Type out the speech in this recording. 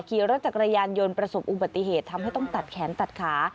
ขี่รถจักรยานยนต์ประสบอุบัติเหตุทำให้ต้องตัดแขนตัดขา